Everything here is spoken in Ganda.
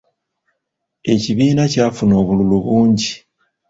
Ekibiina kyafuna obululu bungi.